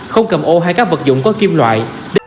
không cầm ô hay các vật dụng có kim loại